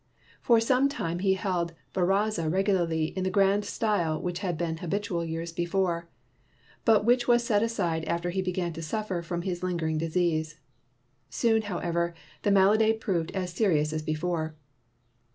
For some time he held baraza regu larly in the grand style which had been hab itual years before, but which was set aside after he began to suffer from his lingering disease. Soon, however, the malady proved as serious as before.